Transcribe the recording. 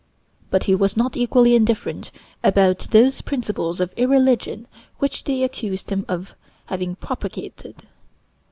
But he was not equally indifferent about those principles of irreligion which they accused him of having propagated.